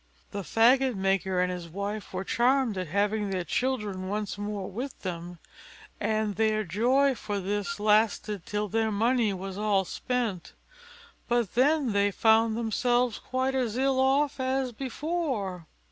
The faggot maker and his wife were charmed at having their children once more with them, and their joy for this lasted till their money was all spent; but then they found themselves quite as ill off as before.